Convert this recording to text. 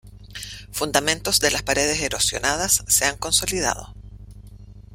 Fundamentos de las paredes erosionadas se han consolidado.